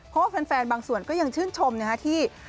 เพราะว่าแฟนบางส่วนก็ยังชื่นชมนะฮะที่